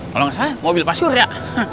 kalau nggak salah mobil pasir ya